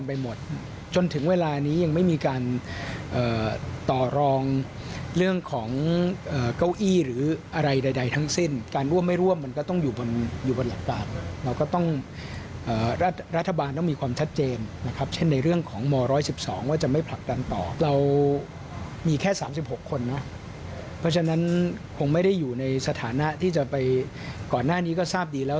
เพราะฉะนั้นคงไม่ได้อยู่ในสถานะที่จะไปก่อนหน้านี้ก็ทราบดีแล้ว